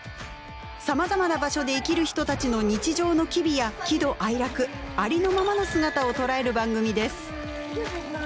さまざまな場所で生きる人たちの日常の機微や喜怒哀楽ありのままの姿を捉える番組です。